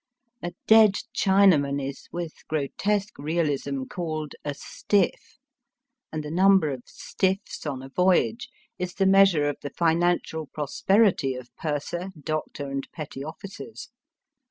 A dead Chinaman is with grotesque realism called " a stiff," and the number of '* stiffs " on a voyage is the measure of the financial prosperity of purser, doctor, and petty officers.